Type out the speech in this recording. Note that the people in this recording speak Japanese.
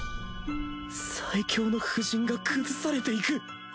最強の布陣が崩されていく！